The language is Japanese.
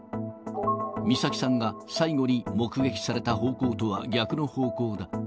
美咲さんが最後に目撃された方向とは逆の方向だ。